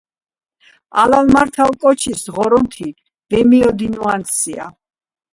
ალალ-მართალ კოჩის ღორონთი ვემიოდინუანსია